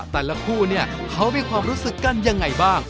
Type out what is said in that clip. แต่ละคู่เนี่ยเขามีความรู้สึกกันยังไงบ้าง